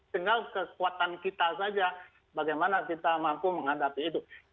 tinggal kekuatan kita saja bagaimana kita mampu menghadapi itu